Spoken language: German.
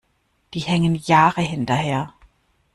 Die hängen Jahre hinterher.